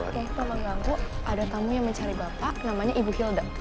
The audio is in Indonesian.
ada tamu yang mencari bapak namanya ibu hilda